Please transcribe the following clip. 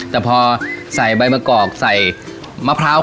แต่พอใส่ใบมะกอกใส่มะพร้าว